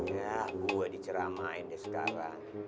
yah gue diceramain deh sekarang